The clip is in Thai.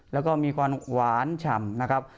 แล้วก็มีความหวานฉ่ำนะครับ